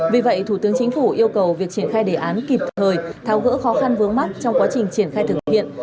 vì vậy thủ tướng chính phủ yêu cầu việc triển khai đề án kịp thời tháo gỡ khó khăn vướng mắt trong quá trình triển khai thực hiện